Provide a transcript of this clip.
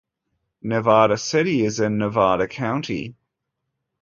Nevada City is in Nevada County.